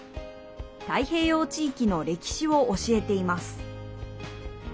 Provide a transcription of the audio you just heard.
太平洋地域の歴史を教えています。